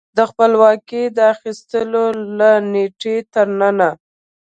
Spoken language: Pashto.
د خپلواکۍ د اخیستو له نېټې تر ننه